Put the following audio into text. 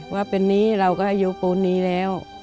ว่าเป็นนี้เราก็อายุปูนนี้แล้ว